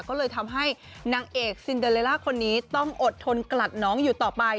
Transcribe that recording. ก็เลยทำให้นางเอกซินเดอเลล่าคนนี้ต้องอดทนกลัดน้องอยู่ต่อไป